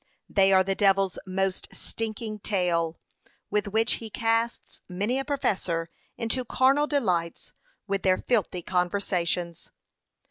They are the devil's most stinking tail, with which he casts many a professor into carnal delights, with their filthy conversations.'